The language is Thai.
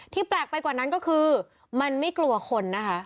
แปลกไปกว่านั้นก็คือมันไม่กลัวคนนะคะ